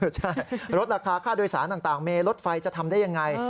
ใช่ลดราคาค่าโดยสารต่างมีรถไฟจะทำได้ยังไง